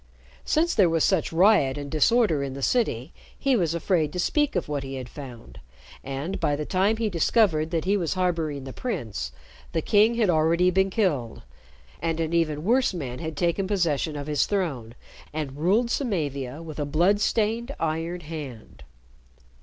Since there was such riot and disorder in the city, he was afraid to speak of what he had found; and, by the time he discovered that he was harboring the prince, the king had already been killed, and an even worse man had taken possession of his throne, and ruled Samavia with a blood stained, iron hand.